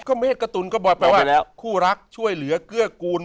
ก็เมฆกับตุลก็บอกคู่รักช่วยเหลือเกื้อกูล